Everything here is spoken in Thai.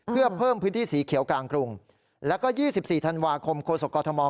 เพื่อเพิ่มพื้นที่สีเขียวกลางกรุงและก็ยี่สิบสี่ธันวาคมโคสกกรธรรมอล